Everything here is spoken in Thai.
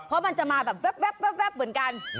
เพราะมันจะมาแบบแว๊บเหมือนกัน